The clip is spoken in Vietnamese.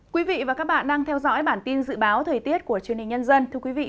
quý vị và các bạn đang theo dõi bản tin dự báo thời tiết của chương trình nhân dân